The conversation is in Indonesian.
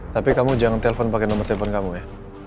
tapi kamu jangan telpon pake nomor telpon kamu ya